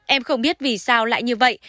em không biết vì sao lại như vậy